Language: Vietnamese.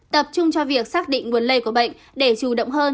tập trung cho việc xác định nguồn lây của bệnh để chủ động hơn